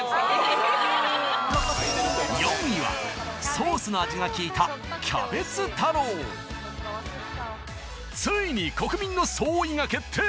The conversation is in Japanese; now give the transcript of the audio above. ソースの味が効いたついに国民の総意が決定